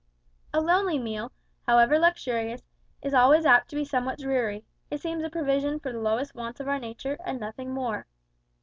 A lonely meal, however luxurious, is always apt to be somewhat dreary; it seems a provision for the lowest wants of our nature, and nothing more.